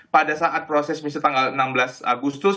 pada saat proses misa tanggal enam belas agustus